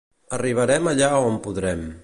Arribarem allà on podrem.